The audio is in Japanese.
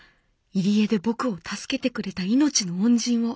入り江で僕を助けてくれた命の恩人を。